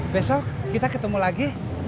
besok kita ketemu lagi